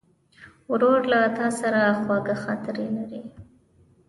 ورور له تا سره خواږه خاطرې لري.